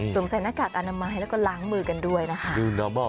ใส่หน้ากากอนามัยแล้วก็ล้างมือกันด้วยนะคะ